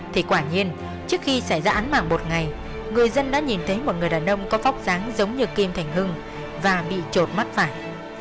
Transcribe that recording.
thì quả nhiên trước khi xảy ra án mạng một ngày người dân đã nhìn thấy một người đàn ông có vóc dáng giống như kim thành hưng và bị trộn mắt phải